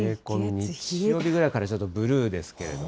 日曜日ぐらいからブルーですけれども。